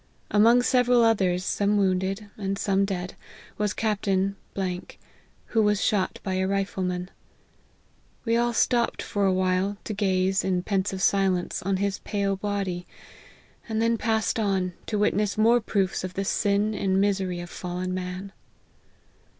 Among several others, some wounded, and some dead, was Captain ; who was shot by a rifleman. We all stopped for a while, to gaze, in pensive silence, on his pale body, and then passed on, to witness more proofs of the sin and misery of fallen man.